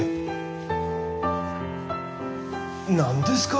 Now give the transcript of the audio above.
何ですか！